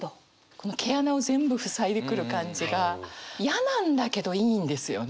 この毛穴を全部塞いでくる感じが嫌なんだけどいいんですよね。